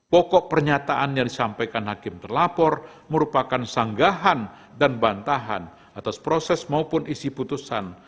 pokok pernyataan yang disampaikan hakim terlapor merupakan sanggahan dan bantahan atas proses maupun isi putusan